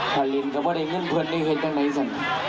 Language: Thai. พลินก็ไม่ได้เงื่อนเพื่อนในเหตุการณ์ในสิ่งนั้น